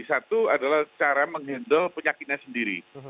satu adalah cara menghandle penyakitnya sendiri